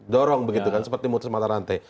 dorong begitu kan seperti mutus mata rantai